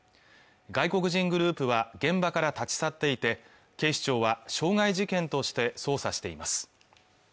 外国人グループは現場から立ち去っていて警視庁は傷害事件として捜査しています